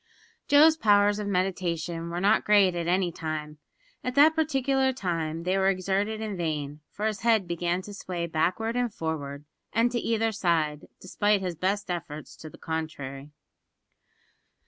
Joe's powers of meditation were not great at any time. At that particular time they were exerted in vain, for his head began to sway backward and forward and to either side, despite his best efforts to the contrary.